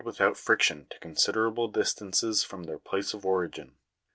131 without friction to considerable distances from their place of origin.